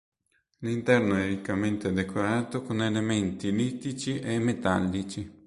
L'interno è riccamente decorato con elementi litici e metallici.